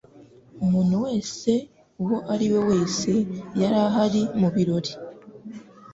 Umuntu wese uwo ari we wese yari ahari mu birori